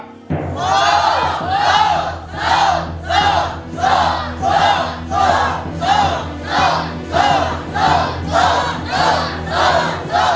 สู้